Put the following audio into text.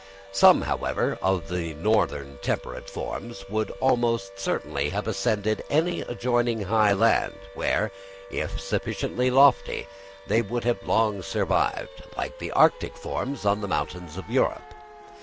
Some, however, of the northern temperate forms would almost certainly have ascended any adjoining high land, where, if sufficiently lofty, they would have long survived like the Arctic forms on the mountains of Europe.